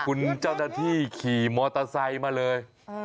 คุณเจ้าหน้าที่ขี่มอเตอร์ไซค์มาเลย